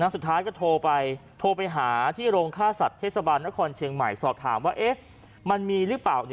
สุดท้ายก็โทรไปโทรไปหาที่โรงค่าสัตว์เทศบาลนครเชียงใหม่สอบถามว่ามันมีหรือเปล่า